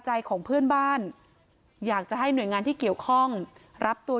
ใจของเพื่อนบ้านอยากจะให้หน่วยงานที่เกี่ยวข้องรับตัว